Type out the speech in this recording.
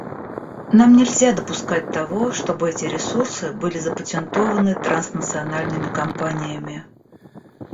Нам нельзя допускать того, чтобы эти ресурсы были запатентованы транснациональными компаниями.